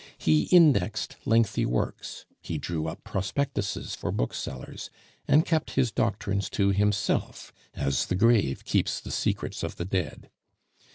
He indexed lengthy works, he drew up prospectuses for booksellers, and kept his doctrines to himself, as the grave keeps the secrets of the dead.